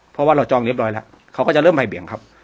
เพราะว่าเราจองเรียบร้อยแล้วเขาก็จะเริ่มบ่ายเบียงครับ